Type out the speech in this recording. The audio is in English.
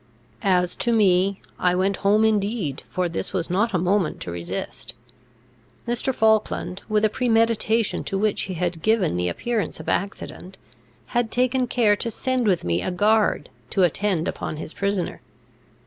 As to me, I went home indeed, for this was not a moment to resist. Mr. Falkland, with a premeditation to which he had given the appearance of accident, had taken care to send with me a guard to attend upon his prisoner.